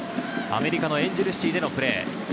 アメリカ、エンジェル・シティでのプレー。